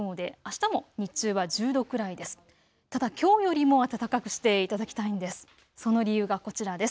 ただ、きょうよりも暖かくしていただきたいんです。